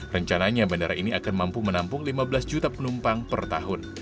rencananya bandara ini akan mampu menampung lima belas juta penumpang per tahun